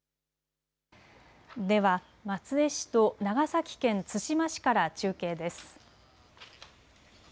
では松江市と長崎県対馬市から中継です。